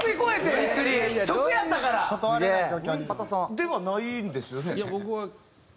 ではないんですよね？